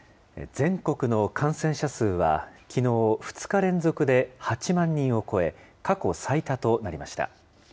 全国の感染者数は、きのう、２日連続で８万人を超え、過去最多となりました。